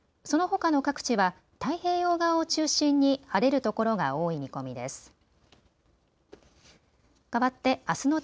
そのほかの各地は太平洋側を中心に晴れるところが多い見込みです。